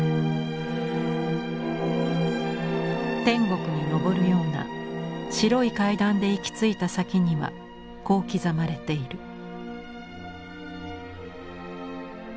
天国にのぼるような白い階段で行き着いた先にはこう刻まれている。